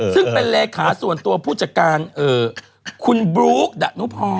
ซึ่งเป็นเลขาส่วนตัวผู้จัดการคุณบลุ๊กดะนุพร